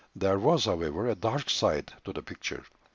There was, however, a dark side to the picture.